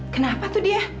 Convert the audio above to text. kenapa tuh dia